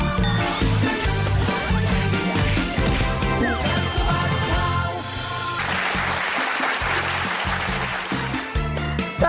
ท่องโทษใจต่อชะมัด